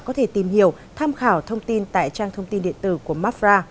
có thể tìm hiểu tham khảo thông tin tại trang thông tin điện tử của mafra